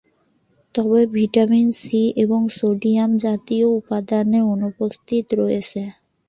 তবে, vitamin C এবং সোডিয়ামজাতীয় উপাদানের অনুপস্থিতি রয়েছে।